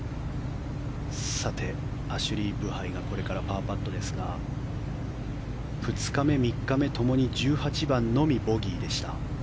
アシュリー・ブハイがこれからパーパットですが２日目、３日目ともに１８番のみボギーでした。